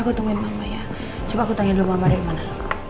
aku tungguin mama ya coba aku tanya dulu mama ada dimana